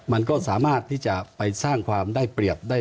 มันก็สามารถที่จะไปสร้างความได้เปรียบได้